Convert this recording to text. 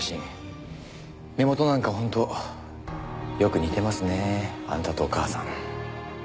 目元なんか本当よく似てますねあなたとお母さん。